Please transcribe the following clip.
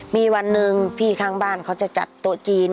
มีวันหนึ่งพี่ข้างบ้านเขาจะจัดโต๊ะจีน